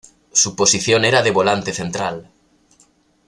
Su posición era de volante central.